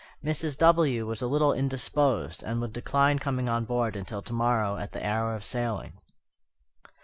"Mrs. W. was a little indisposed, and would decline coming on board until to morrow at the hour of sailing."